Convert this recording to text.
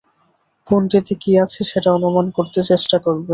কোনটিতে কী আছে সেটা অনুমান করতে চেষ্টা করবে।